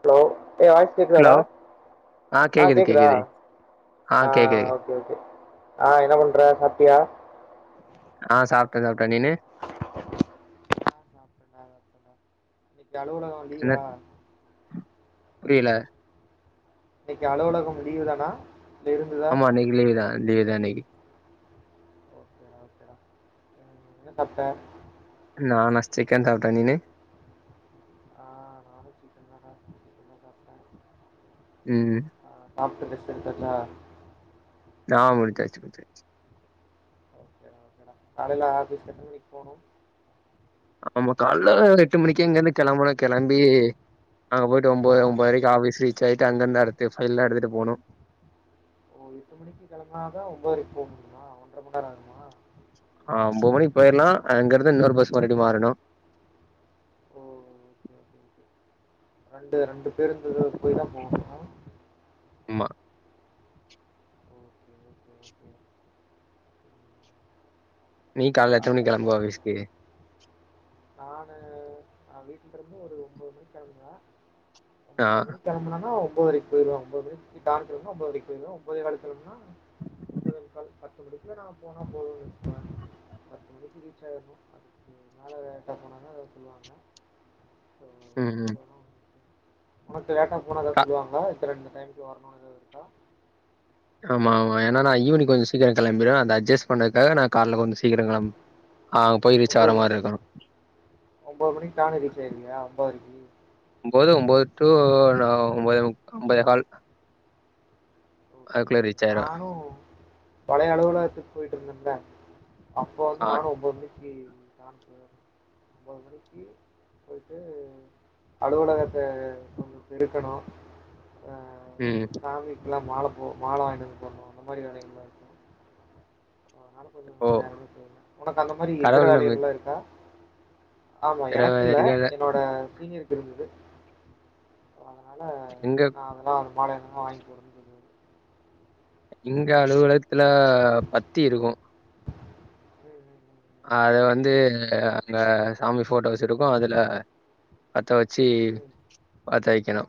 Hello எ voice hello கேக்குதாடா ஆ கேக்குது கேக்குதா கேக்குது ஆ ஓக் ஆ என்னா பண்ற சாப்டியா ஆ சாப்ட்டே சாப்ட்டே நீனு [unintelligible] இன்னக்கி அலுவலக வந் என்ன புரியல இன்னைக்கு அலுவலகம் லீவு தானா இல்ல இருந்துதா ஆமா இன்னைக்கு லீவ்தா‌ லீவ்தா இன்னைக்கு ஓகேடா ஓகேடா ம், என்ன சாப்ட்ட லா நா சிக்கன் சாப்ட்டே நீனு ஆ நானு சிக்கன் தா சாப்ட்டே இன்னைக்கு என்ன சாப்ட்டே ம் ஆ சாப்ட்டு பேசிரு தெர்லயா தா குடுத்தாச்சு குடுத்தாச்சு ஓகேடா ஓகேடா காலைல ஆஃபிஸ்க்கு எத்தன மணிக்கு போணு ஆமா கால்ல எட்டு மணிக்கு இங்கெருந்து கெளம்பனு கெளம்பி அங்க போயிட் டு ஆ ஒம்போதர ஒம்போதரைக்கு ஆஃபீஸ் ரீச் ஆயிட்டு அங்கருந்து அடுத்து ஃபைல்லா எடுத்துட்டு போணு ஓ எட்டு மணிக்கு கெளம்புனாதா ஒம்போதரைக்கு போக முடியுமா ஒன்றர மண் நேர ஆய்ருமா ஆ போர்டிங்க் போயிரலா அங்கருந்து இன்னொரு பஸ் மறுபடி மாறணு ஓ ரெண்டு ரெண்டு பேருந்து போயி தா போவணு ம்மா ஓகே, ஓகே, ஓகே. நீ கால்ல எத்தன அப் மணிக் கெளம்புவ அதுக்கப் ஆஃபீஸ்க்கு நானு நா வீட்லருந்து ஒரு ஒம்போது மணிக் கெளம்புவ ஆ ஒம்போது கெம்பனனா ஒம்பதரைக்கி போயிருவ ஒம்போது [inaudible] ஒம்பதுரைக்கி போயிருவே ஒம்போதே கால்கு கெளம்புனா ஒம்போதே முக்கால் பத்து மணிக்குல நா போனா போது பத்து மணிக்கு ரீச் ஆயிட்னு அதுக்கு மேல லேட்டா போனாக்க எதாவது சொல்லுவாங்க சோ ம் ம் உனக்கு லேட்டா போனா எதாவது கா சொல்லுவாங்களா இத்தன இந்த டைம்க்குள்ள வரணுன்னு எதாவது இருக்கா ஆமா ஆமா ஏனா நா ஈவ்னிங் கொஞ்சோ சீக்கிரோ கெளம்பிருவே அந்த அட்ஜஸ் பண்ணதுக்காக நா கால்ல கொஞ்சோ சீக்கிரோ கெளம் அங்க போயி ரீச்சாகுற மாரி இருக்கு ஒம்போது மணிக்கி டான்னு ரீச்சாயிருவியா ஒம்பதரைக்கி ஒம்போது ஒன்போது டூ நா ஒம்போதே முக் ஒம்போதே கால் அதுக்குள்ள ரீச் ஆயிருவே நானு பழைய அலுவலகத்துக்கு போயிட்டுருந்தேன்ல்ல அப்ப வந்து ஆ நானு ஒன்பது மணிக்கி தா போவே ஒம்பது ணிக்கி போயிட்டு அலுவலகத்த கொஞ்சோ பெருக்கணு ஆ ம் சாமிக்குல்லா மால போ மால வாங்கிட்டு வந்து போன்ணு அந்த மாரி வேலைகள்லா இருக்கு அதனால கொஞ்சோ ஓ நேரம போயிருவே உனக்கு அந்த மாரி இதர கடவுள் நம்மளுக்கு வேலைகள்லா இருக்கா ஆமா தர எனக்குல்ல வழிகள என்னோட சீனியருக்கு இருந்தது அசோ தனால எங்க நா அதெல்லா ஒரு மால எதுன்னா வாங்கி போடுவே எங்க அலுவலகத்துல பத்தி இருக்கு ம், ம், ம், அது வந்து அங்க சாமி போட்டோஸ் இருக்கு அதுல பத்த வச்சி ம். பத்த வைக்கணு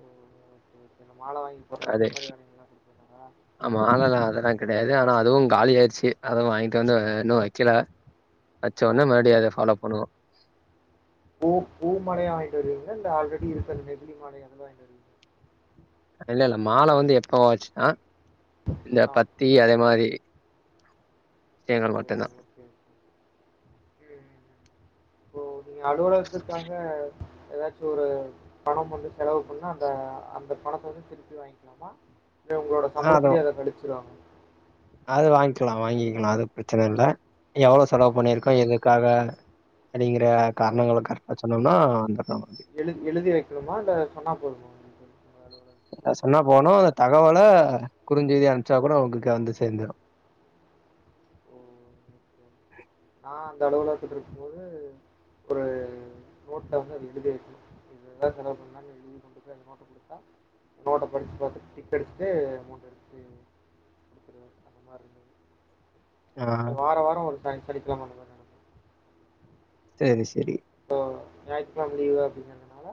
ஓ ஓ சேர் சேர் மால வாங்கி போடுறது அதே அந்த மாதிரி வேலைகள்லாம் கொடுத்துருக்காங்களா ஆ மாலல்லா அதெல்லா கெடையாது ஆனா அதுவு காலியாயிடுச்சு. அதுவு வாங்கிட்டு வந்து இன்னு வைக்கல. வச்சோன்னே ஓ மறுபடியு அத ஃபாலோ பண்ணனு பூ பூ மாலையா வாங்கிட்டு வருவீங்கால்ல இல்ல ஆல்ரெடி இருக்கு அ நெகுலி மால அந்த மாரி வாங்கிட்டு வருவீங்களா இல்லல்ல மால வந்து எப்பவாச்சுதா இந்த ஆ ஓகே பத்தி அதே மாரி செயுங்கள் மட்டு்தா ம் ம் இப்போ நீங்க அலுவலகத்துக்காக எதாச்சு ஒரு பணோ வந்து செலவு பண்ணா அந்த அந்த பணத்த வந்து திருப்பி வாங்கிக்கலாமா இல்ல உங்களோட ஆ அதோ சம்பளத்தலயே அத கழிச்சுருவாங்களா அது வாங்கிலா வாங்கிக்கிலா அது பிரச்சன இல்ல எவ்ளோவு செலவு ஓ பண்ணிருக்கோ எதுக்காக அப்படிங்கிற ஓ காரணங்கள கரெக்டா சொன்னோம்னா வந்துரு அப்டி எழு எழுதி வைக்கணுமா இல்ல சொன்னா போதுமா? உங்களுக்கு உங்க அலுவலகத்துல? அத சொன்னா போது தகவல குறுஞ்செய்தியா அனுப்பிச்சா கூட உங்களுக்கு வந்து சேந்துரு நா அந்தளவுல எடுத்துட்டுருக்கும் போது ஒரு நோட்ல வந்து அத எழுதி வைக்கணு இதுதா செலவு பண்ணன்னு எழுதி எடுத்துணு போய் அந்த நோட்ட குடுத்தா நோட்ட படிச்சு பாத்து டிக் அடிச்சுட்டு அமௌண்ட் எடுத்துட்டு மருந்து ஆ வாரோ வாரோ ஒரு சனி சனிக்கெழம அந்த மாரி செரி செரி சோ ஞாயித்து கெழம லீவு அப்டீன்கனுதுனால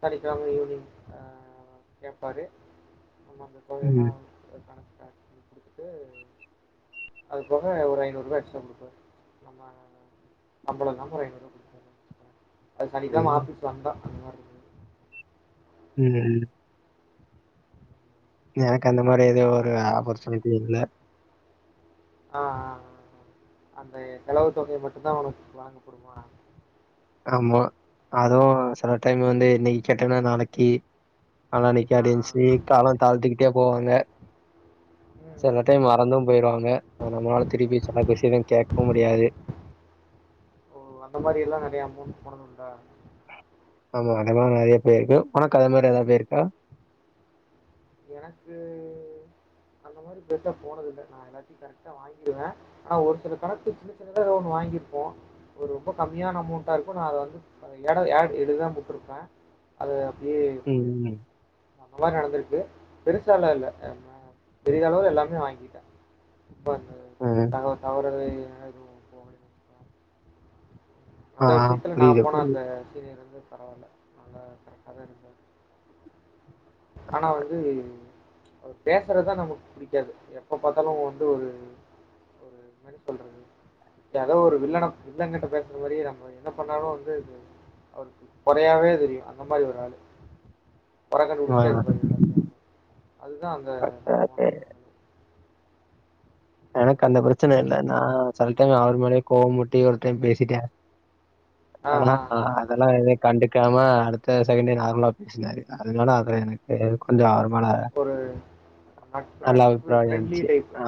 சனிக்கெழம ஈவினிங் அ ஆ கேப்பாரு நம்ம அந்த கோவையெல்லா ம், கணக்கு காட்டி குடுத்துட்டு அது போக ஒரு ஐநூறு ரூபா எக்ஸ்ட்ரா குடுப்பாரு. ஆமா அ சம்பலோ இல்லாம ஒரு ஐநூறுபா குடு அது சனிக்கெழம ம், ஆஃபீஸ் வந்தானக்ஷ உம் எனக்கு அந்த மாதிரி எதுவு அப்புறம் ஒரு ஆப்பர்ச்சுனிட்டி இல்ல. ஆ ஆ ஆ அந்த செலவு தொகைய மட்டும் தா உனக்கு வழங்கப்படுமா ஆமா அதுவு சில டைம் வந்து இன்னிக்கி கேட்டன்னா நாளைக்கி ஆனா நிக்காட்டி ஆஹ் ஆஹ் இன்ச்சி ஆஹ் காலோ தாழ்த்துக்கிட்டே போவாங்க ம், ம், செல டைம் ம். மறந்தும் போயிடுவாங்க அத நம்மளால திருப்பி செல கொஸ்டீனும் கேக்கவு முடியாது ஓ அந்த மாரி எல்லா நறைய அமௌண்ட் போடணும்ல ஆமா அத மாரி நறைய போயிருக்கோ உனக்கு அத மாரி எதாவது போயிருக்கா எனக்கு அந்த மாரி பெஸ்ட்டா போனதுல்ல நா யெல்லாத்தையு கரெக்டா வாங்கிடுவே ஆனா ஒரு சில கணக்கு சின்ன சின்னதா ஒன்னு வாங்கிருப்போ ஒரு ரொம்ப கம்மியான அமௌண்டா இருக்கோ நா அத வந்து எட ஆட் எழுதாம விட்ருப்ப அது அப்டியே போயிருக்கோ ம். அந்த மாரி நடந்திருக்கு பெருசாலா இல்ல என்ன பெரிதளவு எல்லாமே வாங்கிட்டே ம். ம். [unintelligible] வச்சுக்கோங்க. ஆ அந்த விஷயத்துல நா புரியுது, போனா அந்த புரியுது. கீழயிருந்து பரவால்ல நல்லா கரெக்டாதாருக்காரு ஆனா வந்து பேசுறதா நமக்கு பிடிக்காது எப்போ பாத்தாலு வந்து ஒரு ஒரு மாரி சொல்றது ஏதோ ஒரு வில்லன வில்லங்கிட்ட பேசுற இங்க வழியிற மாரி யென்ன பண்ணாலு வந்து அது அவருக்கு கொறயாவே தெரியு அந்த மாரி ஒரு ஆளு கொர கண்டு ஆ புடிச்சிட்டே இருப்பாரு எல்லாத்தையு அதுதா அந்த நா அது போனா எனக்கு மாதிரி அந்த இருக்கும்னு பிரச்சன இல்ல வச்சுக்கோங்க. நா செல டைம் அவரு மேலே கோவமூட்டி ஒரு டைம் பேசிட்டே ஆ அதனா ஆ நா ஆ அதெல்லா எதுக் கண்டுக்காம அடுத்த செகண்டே நார்மலா பேசுனாரு அதுனால அத எனக்கு கொஞ்சோ அவர்மேல ஒரு நட்பு நல்லா நட்பு ஃப்ரெண்ட்லி அபிப்பிராயந்துச்சு டைப் ஆ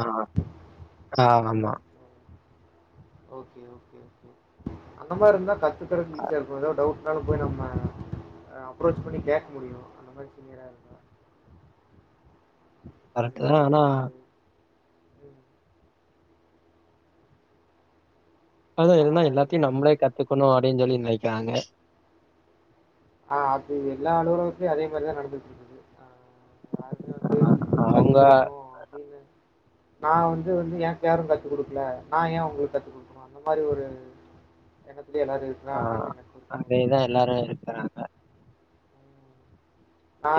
ஆ ஆமா ஓகே ஓகே அந்த மாரி இர்ந்தா கத்துக்கறது ஈசியா இருக்கோ எதாது டவுட் இர்ந்தாலு போய் நம்ம அப்ரோச் அ பண்ணி கேக்க முடியு அந்த மாரி சீனியரா இருந்தா [unintelligible] கரெக்ட்டுதா ஆனா அது எதுன்னா ஆனால் என்ன எல்லாத்தையு நம்மளே எனக்கு கத்துக்கணோ அப்டின்னு சொல்லி நெனைக்கிறாங்க ஆ அதுயெல்லா அலுவகத்திலேயு அதே மாரிதா நடந்துட்ருக்குது யாருமே வந்து கத்து அவங்க குடுக்கணோ அப்டீன்னு நா வந்து வந்து எனக்கு யாரோ கத்து குடுக்குல நா ஏ ஒங்களுக்கு கத்து குடுக்கனோ அந்த மாரி ஒரு எனக்குள்ளே எல்லா இருக் ஆ அங்கயே தா எல்லாரு இருக்குறாங்க ம்.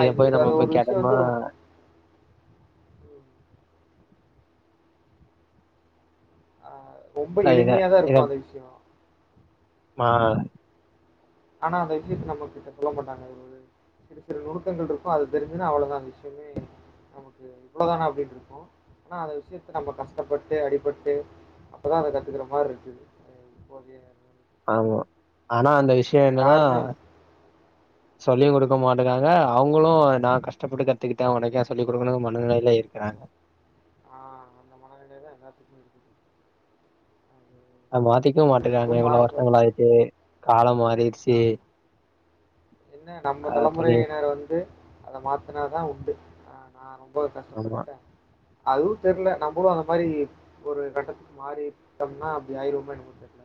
இத இது போய் நம்மோ அது ஒரு போய் விஷயம் கேட்டம்னா வந்து ரொ ம். ஆ ரொம்ப இல்ல இத எளிமையாதா இருக்கு அந்த விஷயோ மா ஆனா அந்த விஷயத்த நம்ம கிட்ட சொல்ல மாட்டாங்க சிறு சிறு நுணுக்கங்கள்ருக்கு அது தெரிஞ்சுதுனா அவ்வளதா அந்த விஷ்யமே நமக்கு இவ்வளதானா அப்டின்ருக்கு ஆனா அந்த விஷயத்த நம்ம கஷ்டப்பட்டு அடிபட்டு அப்பதா அத கத்துக்குற மாரி இருக்குது இப்போதய ஆமா ஆனா அந்த விஷ்யோ என்னனா யாருமே [inaudible] சொல்லியு குடுக்க மாட்டிக்காங்க அவுங்களு நா கஷ்டப்பட்டு கத்துக்குட்ட உனக்கு எ சொல்லிக்குடுக்கணு மனநிலைல இருக்கறாங்க ஆ அந்த மனநிலைதா எல்லாத்துக்கு இருக்குது [inaudible] அத மாத்திக்கு அது மாட்டிகாங்க எப்பவும் இவ்ளோ மாறப்போது. வர்ஷங்கள் ஆயிர்ச்சு காலம் மாறிருச்சு ஆமா. என்ன நம்ம துணி தலைமுறையினர் வந்து அத மாத்துனாதா உண்டு ஆ நா ரொம்பவே ஆமா, கஷ்டப்பட்டுடே அதுவு தெர்ல நம்புளு அந்த மாரி ஒரு கட்டத்துக்கு மாறிட்டம்னா அப்டி ஆய்ருவோமோ எனமோ தெர்ல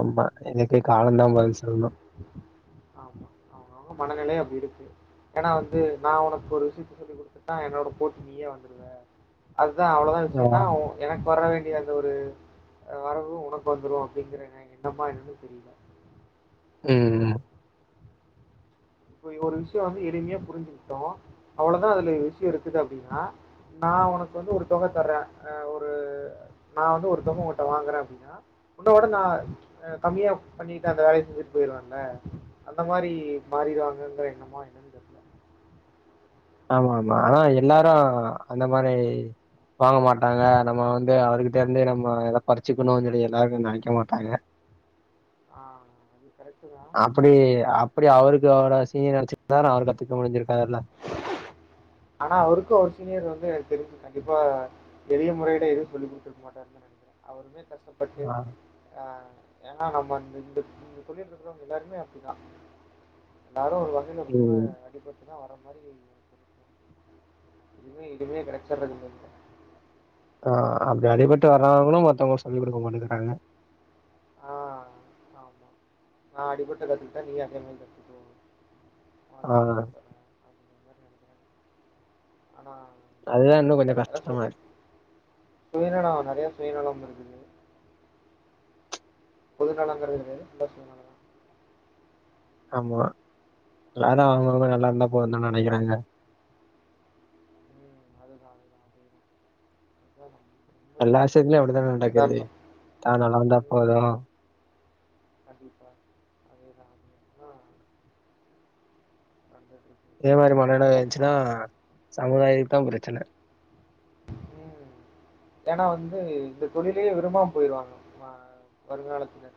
ஆமா எனக்கு அது காலந்தா பதில் சொல்ணு ஆமா அவுங்க அவுங்க மனநிலை அப்டி இருக்கு எனா வந்து நா உனக்கு ஒரு விஷ்யத்த சொல்லி குடுத்தா என்னோட போட்டி நீயே வந்துருவ அதுதா அவ்ளோதா ஆமா. விஷ்யம்னா எனக்கு வர வேண்டிய அந்த ஒரு வரவு உனக்கு வந்துரு அப்டிங்கிற ந என்னமா என்னனு தெரில ம் இப்ப ஒரு விஷயோ வந்து எளிமையா புரிஞ்சுக்கிட்டோ அவ்ளதா அதுல விஷயோ இருக்குது அப்டினா நா உனக்கு வந்து ஒரு தொக தரே ஒரு நா வந்து ஒருதொக உன்ட வாங்குறே அப்டினா உன்னோட நா கம்மியா பண்ணிட்டு அந்த வேலைய செஞ்சுட்டு போய்ருவல அந்த மாரி மாறிடுவாங்கங்கற என்னமோ என்ன ஆமா ஆமா ஆனா எல்லாரு அந்த மாரி வாங்க மாட்டாங்க நம்ம வந்து அவர்கிட்டே இருந்தே நம்ம எத பறிச்சுக்கணு சொல்லி எல்லாருமே நனைக்க மாட்டாங்க ஆ அது கரெடுதா அப்டி அப்டி அவருக்கு அவர சீனியர் நினச்சிருந்தா அவரு கத்துக்க முடிஞ்சிருக்காதுல்ல ஆனா அவுருக்கு அவர் சீனியர் வந்து எனக்கு தெரிஞ்சு கண்டிப்பா எளிய முறைட எதுவு சொல்லி குடுத்துருக்க மாட்டாரு அவருமே கஷ்டப்பட்டு ஆ ஆ எனா நம்ம இந்த இந்த தொழில் இருக்கறவங்க எல்லாருமே அப்டிதா எல்லாரு ஒரு வகையில ரொம்ப ம். அடிப்பட்டுதா வரமாரி இதுமே இதுமே கடைச்சற்றது இல்ல ஆ அப்டி அடிபட்டு வர்றவங்களு மத்தவங்களுக்கு சொல்லிகுடுக்க மாட்டேங்கிறாங்க ஆ ஆமா நா அடிபட்டு கத்துட்டே நீ அதேமாரிதா [inaudible] ஆ ஆனா அதுதா இன்னு கொஞ்சோ கஷ்டமா இருக்கு சுயநலோ நறைய சுயநலம் இருக்குது பொது நலங்கறது வேறு இந்த சுயநலோ ஆமா எல்லாரு அவுங்கவுங்க நல்லாருந்தா போதுன்தா நெனைக்குறாங்க அதுதா அதுதா அதுதா [inaudible] எல்லா விஷ்யத்திலு அப்டிதான நடக்குது தா நல்லாருந்தா போது கண்டிப்பா அதேதா அப்டியா ஆ நடந்துட்ருக் இதே மாரி மனநில இருந்ச்சுனா சமுதாயத்துக்தா ப்ரச்சன ம் ஏன்னா வந்து இந்த தொழில்யே விரும்பாம் போய்ர்வாங்க மா அ வருங்காலத்துல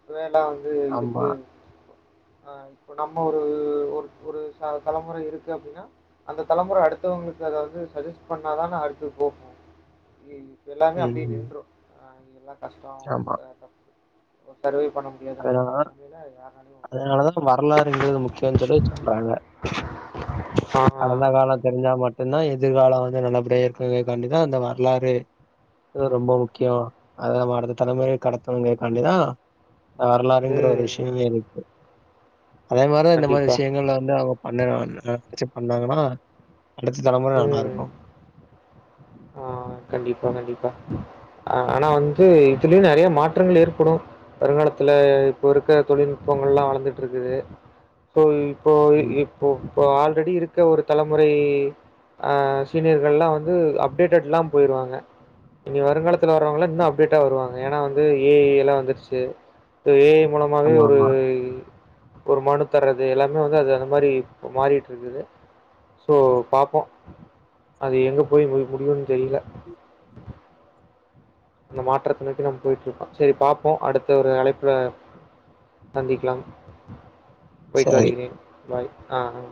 இப்வே எல்லா வந்து ஆமா. இருக்கு ஒ ஆ இப்போ நம்ம ஒரு ஒரு ஒரு ச தலமொறை இருக்கு அப்டின்னா அந்த தலமொற அடுத்தவ்ங்களுக்கு அத வந்து சஜஸ் பண்ணாதான அடுத் து போகு எ ஈ எல்லாமே அப்ட்யே ம். நின்று ஆஇ எல்லா கஷ்டோ ஆமா. இப்ப தப்பு சர்வே பண்ணம் எறந்துன அதனால தான் நெலமைய்ல யாராலயு உணர அதனால தான் வரலாறுங்கிறது முடியும் முக்கியம்னு சொல்லி சொல்றாங்க. கடந்த கால தெரிஞ்சா மட்டுன்தா எதிர்கால வந்து நல்லபடியா இருக்குவே காண்டிதா அந்த வர்லாறு இ ரொம்ப முக்யோ அத நம்ம அடுத்த தலமுறைக் கடத்தணுங்கேகாண்டிதா அர்லாறுங்கிற ஒரு ம் விஷுயுமே இருக்கு அதே மாரி இந்த மாரி கண்டிப்பா விஷயங்கள்ல வந்தாவ்ப் பண்ண நா ந டச்சப் பண்ணாங்கன்னா அடுத்த தலமொறை நல்லாருக்கு ஆஆ கண்டிப்பா கண்டிப்பா அ ஆனா வந்து இதுலயு நறையா மாற்றங்கள் ஏற்படு வருங்காலத்துல இப்போ இருக்க தொழில்நுட்பங்கல்லா வளந்துட்ருக்குது பொய் போய் ம். இப் போ ப ஆல்ரெடி இருக்க ஒரு தலமுறை அ சீனியர்கள்ல்லா வந்து அப் டேட்டெட் ல்லா போயிர்வாங்க இனி வருங்காலத்துல வர்றவங்கலா இன்னு அப்டேட்டா வருவாங்க ஏன்னா வந்து ஏ ஐ எல்லா வந்துர்ச்சு ஏ ஐ மூலமாவே ஆமா, ஆமா. ஒருய் ஒரு மனு தர்றது எல்லாமே வந்து அது அந்த மாரி மாறிட்ருக்குது சோ பாப்போ அது எங்க போய் மொய் முடியுன் தெரில அந்த மாற்றத்த நோக்கி நம் போயிட்ருக்கோ சரி பாப்போ அடுத்த ஒரு அழைப்புல தந்திக்லான் போய்ட்டு சரி. வருகிறேன் பாய் அ ஹ